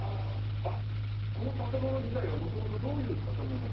この建物自体は元々どういう建物で。